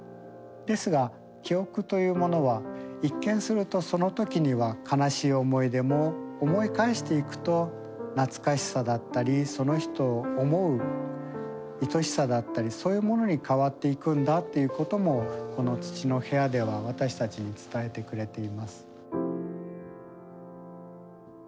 ですが記憶というものは一見するとその時には悲しい思い出も思い返していくと懐かしさだったりその人を思ういとしさだったりそういうものに変わっていくんだということもこの土の部屋では私たちに伝えてくれています。